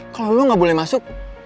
kalau lo gak boleh masuk